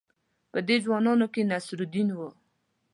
په دې ځوانانو کې نصرالدین وو.